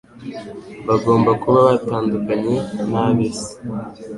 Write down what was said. Bagomba kuba batandukanye n’ab’isi.